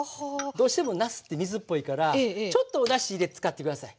どうしてもなすって水っぽいからちょっとおだし入れて使って下さい。